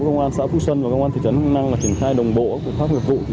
với công an xã phú xuân và công an thị trấn crong nang là triển khai đồng bộ của các nhiệm vụ thì